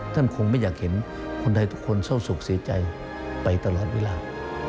ท่านคงไม่อยากเห็นคนไทยทุกคนเศร้าสุขเสียใจไปตลอดเวลา